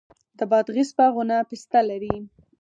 د بادغیس باغونه پسته لري.